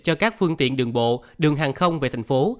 cho các phương tiện đường bộ đường hàng không về thành phố